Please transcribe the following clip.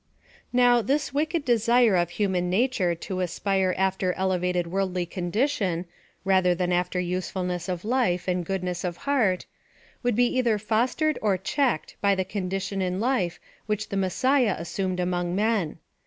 Now, this wicked desire of human nature to as pire after elevated worldly condition, rather than after usefulness of life and goodness of heart, would be either fostered or checked by the condition in life which the Messiah assumed among men.